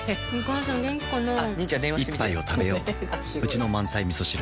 一杯をたべよううちの満菜みそ汁